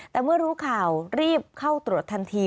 แต่เมื่อรู้ข่าวรีบเข้าตรวจทันที